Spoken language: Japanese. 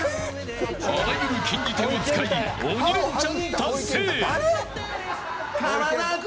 あらゆる禁じ手を使い鬼レンチャン達成。